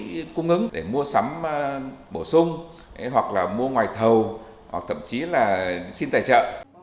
chỉ cung ứng để mua sắm bổ sung hoặc là mua ngoài thầu hoặc thậm chí là xin tài trợ